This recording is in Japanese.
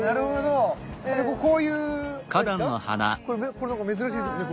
これなんか珍しいですもんね？